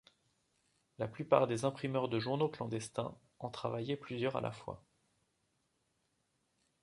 La plupart des imprimeurs de journaux clandestins, en travaillaient plusieurs à la fois.